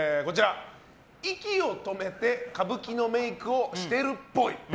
息を止めて歌舞伎のメイクをしているっぽい。